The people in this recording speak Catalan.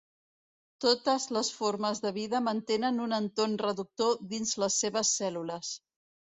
Totes les formes de vida mantenen un entorn reductor dins les seves cèl·lules.